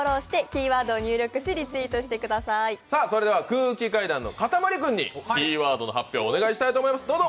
空気階段のかたまり君に、キーワードの発表をお願いしたいと思います。